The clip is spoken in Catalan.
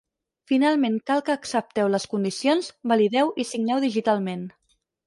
Finalment cal que accepteu les condicions, valideu i signeu digitalment.